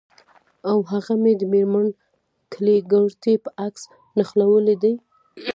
او هغه مې د میرمن کلیګرتي په عکس نښلولي دي